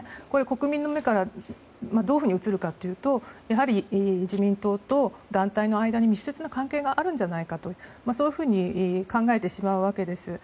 国民の目からどういうふうに映るかというとやはり自民党と団体の間に密接な関係があるんじゃないかとそういうふうに考えてしまうわけです。